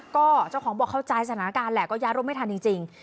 ก็เจ้าของบอกเข้าใจสถานการณ์แหละก็ย้ายร่มไม่ทันจริง